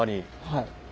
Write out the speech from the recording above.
はい。